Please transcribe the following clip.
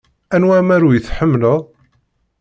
Anwa amaru i tḥemmleḍ?